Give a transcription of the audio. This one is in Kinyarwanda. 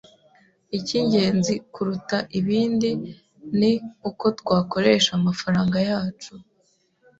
Icy’ingenzi kuruta ibindi ni uko twakoresha amafaranga yacu